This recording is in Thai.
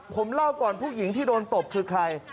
ผมเล่าก่อนผู้หญิงที่โดนตบคือใคร